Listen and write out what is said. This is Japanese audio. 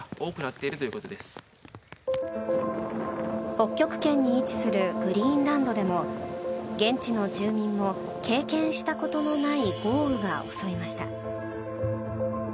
北極圏に位置するグリーンランドでも現地の住民も経験したことのない豪雨が襲いました。